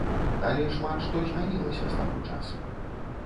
Але шмат што змянілася з таго часу.